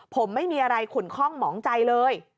ผมไม่มีอะไรขุนคล่องหมองใจเลย